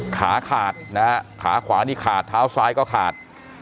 ขาขาดนะฮะขาขวานี่ขาดเท้าซ้ายก็ขาด